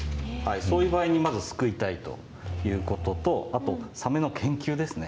そういう場合にまず救いたいということとあとサメの研究ですね。